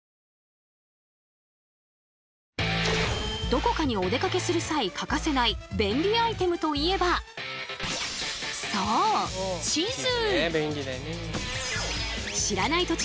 どこかにお出かけする際欠かせない便利アイテムといえばそう地図。